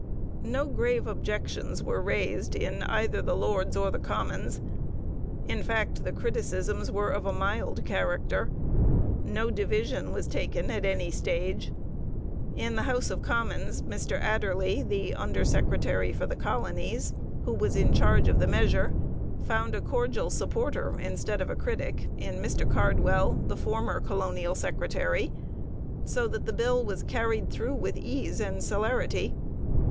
No grave objections were raised in either the Lords or the Commons. In fact, the criticisms were of a mild character. No division was taken at any stage. In the House of Commons, Mr Adderley, the under secretary for the Colonies, who was in charge of the measure, found a cordial supporter, instead of a critic, in Mr Cardwell, the former colonial secretary, so that the bill was carried through with ease and celerity.